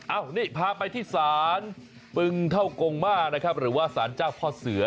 เอ้านี่พาไปที่สารปึงเท้ากงมาหรือว่าสารจากพ่อเสือ